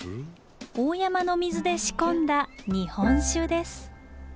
大山の水で仕込んだ日本酒です。